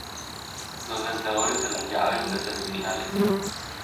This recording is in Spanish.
Los vencedores de las llaves de semifinales.